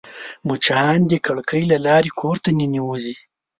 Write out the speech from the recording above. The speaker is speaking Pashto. مچان د کړکۍ له لارې کور ته ننوزي